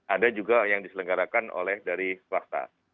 ada juga yang diselenggarakan oleh dari swasta